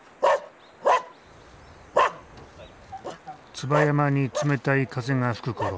椿山に冷たい風が吹くころ